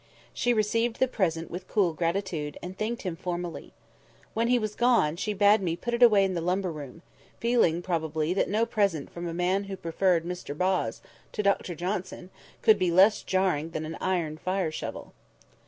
She received the present with cool gratitude, and thanked him formally. When he was gone, she bade me put it away in the lumber room; feeling, probably, that no present from a man who preferred Mr Boz to Dr Johnson could be less jarring than an iron fire shovel.